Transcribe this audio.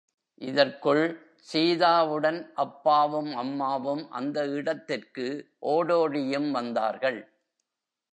இதற்குள், சீதாவுடன் அப்பாவும், அம்மாவும் அந்த இடத்துக்கு ஓடோடியும் வந்தார்கள்.